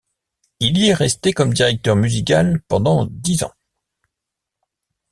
Il est y resté comme directeur musical pendant dix ans.